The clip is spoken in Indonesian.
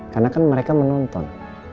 karena kan mereka menonton